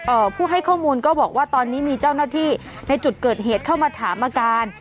ผู้ให้ข้อมูลก็บอกว่าตอนนี้มีเจ้าหน้าที่ในจุดเกิดเหตุเข้ามาถามอาการ